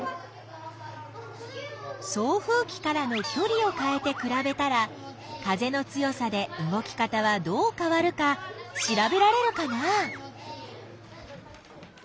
送風きからのきょりをかえてくらべたら風の強さで動き方はどうかわるかしらべられるかな？